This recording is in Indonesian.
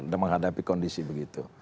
dan menghadapi kondisi begitu